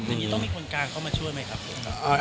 ต้องมีคนการเข้ามาช่วยไหมครับ